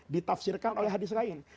ditafsirkan oleh hadis lain